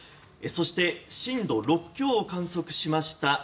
そして震度６強を観測しました